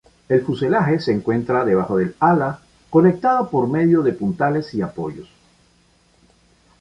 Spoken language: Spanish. El fuselaje se encuentra debajo del ala, conectado por medio de puntales y apoyos.